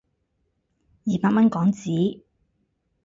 二百蚊港紙